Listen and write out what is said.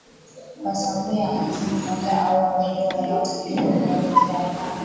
kwa sababu ya mtu mmoja au wawili wanotafuta uongozi hapana